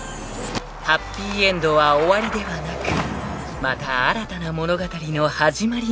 ［ハッピーエンドは終わりではなくまた新たな物語の始まりなのです］